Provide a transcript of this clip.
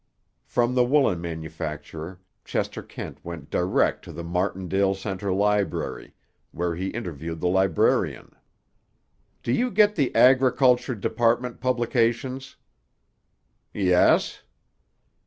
From the woolen manufacturer, Chester Kent went direct to the Martindale Center library, where he interviewed the librarian. "Do you get the Agriculture Department publications?" "Yes."